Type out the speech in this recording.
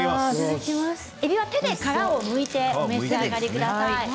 えびは手で殻をむいてお召し上がりください。